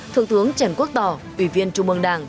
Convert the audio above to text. thượng tướng trần quốc tỏ ủy viên trung mương đảng